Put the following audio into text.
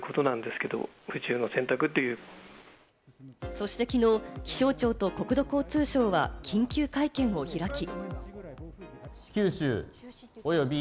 そしてきのう、気象庁と国土交通省は緊急会見を開き。